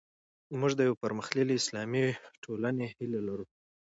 موږ د یوې پرمختللې اسلامي ټولنې هیله لرو.